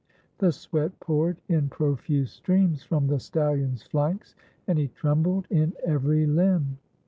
The sweat poured in profuse streams from the stallion's flanks, and he trembled in every limb.